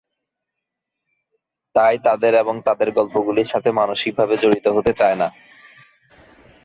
তাই তাদের এবং তাদের গল্পগুলির সাথে মানসিকভাবে জড়িত হতে চায় না।